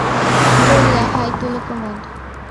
বলিয়া হাই তোলে কুমুদ।